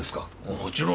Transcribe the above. もちろん。